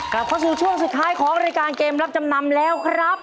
กลับเข้าสู่ช่วงสุดท้ายของรายการเกมรับจำนำแล้วครับ